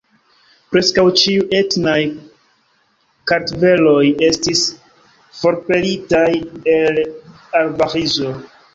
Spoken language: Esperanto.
Preskaŭ ĉiuj etnaj kartveloj estis forpelitaj el Abĥazio.